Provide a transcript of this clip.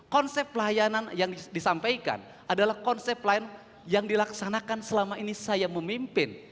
konsep pelayanan yang disampaikan adalah konsep lain yang dilaksanakan selama ini saya memimpin